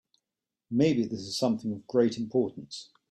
Maybe this is something of great importance.